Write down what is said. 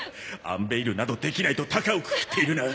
アンベイルなどできないと高をくくっているな？